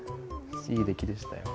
いい出来でしたよ。